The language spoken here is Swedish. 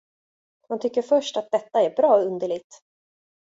Han tycker först, att detta är bra underligt.